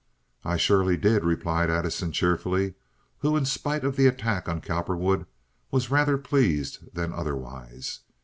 "I surely did," replied Addison, cheerfully, who, in spite of the attacks on Cowperwood, was rather pleased than otherwise.